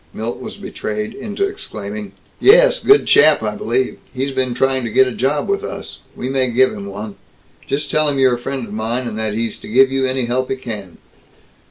Milt was betrayed into exclaiming. "Yes. Good chap, I believe. He's been trying to get a job with us. We may give him one. Just tell him you're a friend of mine, and that he's to give you any help he can."